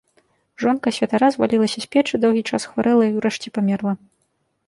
Жонка святара звалілася з печы, доўгі час хварэла і ўрэшце памерла.